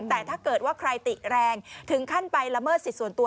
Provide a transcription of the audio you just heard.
แต่ถ้าเกิดว่าใครติแรงถึงขั้นไปละเมิดสิทธิ์ส่วนตัว